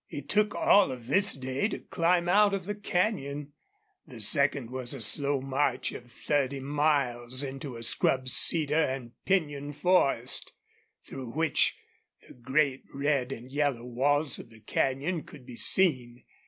It took all of this day to climb out of the canyon. The second was a slow march of thirty miles into a scrub cedar and pinyon forest, through which the great red and yellow walls of the canyon could be seen.